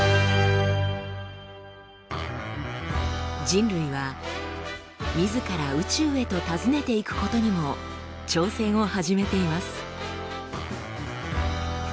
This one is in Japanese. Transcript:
人類はみずから宇宙へと訪ねていくことにも挑戦を始めています。